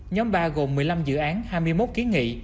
nhóm ba gồm một mươi năm dự án hai mươi một kiến nghị